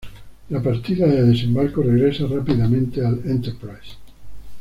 La partida de desembarco regresa rápidamente al "Enterprise".